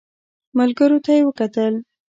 ملګرو ته يې وکتل.